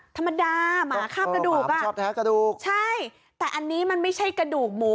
ธรรมดาหมาคาบกระดูกอ่ะชอบแท้กระดูกใช่แต่อันนี้มันไม่ใช่กระดูกหมู